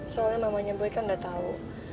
soalnya namanya boy kan udah tahu